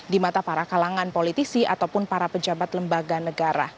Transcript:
di mata para kalangan politisi ataupun para pejabat lembaga negara